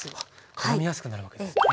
からみやすくなるわけですね。